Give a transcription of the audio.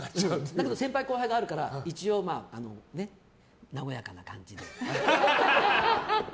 だけど先輩・後輩があるから一応、和やかな感じで。